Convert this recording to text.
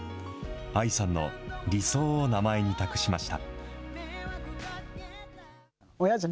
ＡＩさんの理想を名前に託しました。